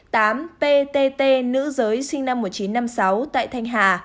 ptt nữ giới sinh năm một nghìn chín trăm năm mươi sáu tại thanh hà